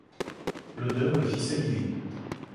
L’odeur le fit saliver.